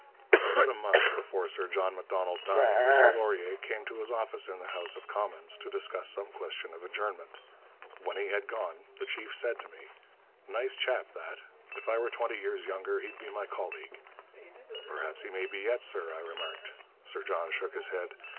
About a month before Sir John Macdonald died Mr Laurier came to his office in the House of Commons to discuss some question of adjournment. When he had gone, the chief said to me, 'Nice chap that. If I were twenty years younger, he'd be my colleague.' 'Perhaps he may be yet, sir,' I remarked. Sir John shook his head.